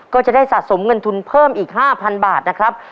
ก็จะได้สะสมเงินทุนเพิ่มอีก๕๐๐บาทนะครับ